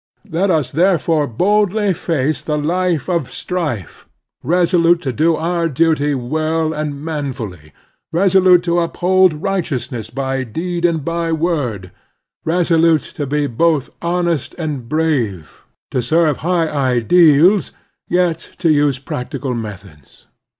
Let us therefore boldly face the life of strife, resolute to do our duty well and man fully; resolute to uphold righteousness by deed and by word; resolute to be both honest and brave, to serve high ideals, yet to use practical methods.